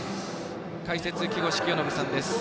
解説、木越清信さんです。